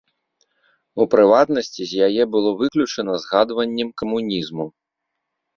У прыватнасці, з яе было выключана згадваннем камунізму.